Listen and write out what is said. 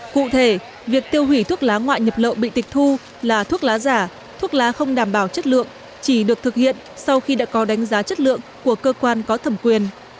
cụ thể việc tiêu hủy thuốc lá ngoại nhập lậu bị tịch thu là thuốc lá giả thuốc lá không đảm bảo chất lượng chỉ được thực hiện sau khi đã có đánh giá chất lượng của cơ quan có thẩm quyền